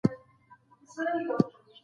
په فلسفو او سپسپو کي د خيال غونډاري مه ولئ.